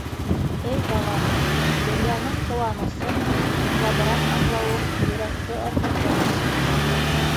- Эй балам, донъяның ҡыуанысын һуңлабыраҡ аңлауым йөрәкте әрнетә...